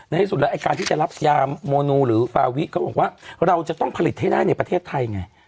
ที่สุดแล้วไอ้การที่จะรับยาโมนูหรือฟาวิก็บอกว่าเราจะต้องผลิตให้ได้ในประเทศไทยไง